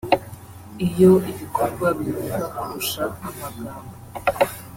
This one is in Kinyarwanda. Iyo ibikorwa bivuga kurusha amagambo